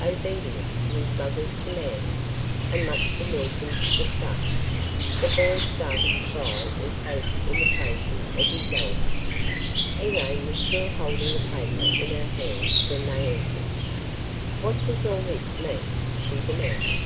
Obedient to his "mother's" commands, and much to Milton's disgust, the boy started to cry in close imitation of his elder. Elaine was still holding the paper in her hands when they entered. "What does all this mean?" she demanded.